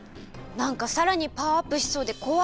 なんかさらにパワーアップしそうでこわい。